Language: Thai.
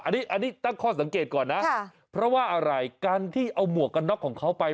อันนี้ตั้งข้อสังเกตก่อนนะเพราะว่าอะไรการที่เอาหมวกกันน็อกของเขาไป